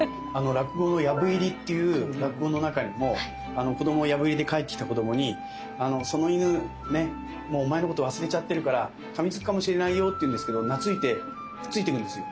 落語の「藪入り」っていう落語の中にも子供が藪入りで帰ってきた子供にその犬ねっもうお前のこと忘れちゃってるからかみつくかもしれないよって言うんですけど懐いてくっついていくんですよ。